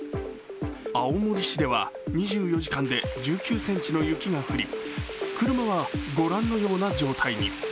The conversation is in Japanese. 青森市では２４時間で１９ｃｍの雪が降り車はご覧のような状態に。